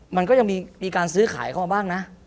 มันก็ยังมีการซื้อขายเข้ามาบ้างนะ